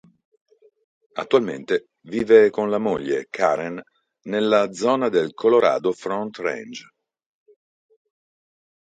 Attualmente vive con la moglie, Karen, nella zona del Colorado Front Range.